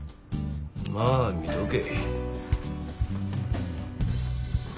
まあ見とけ。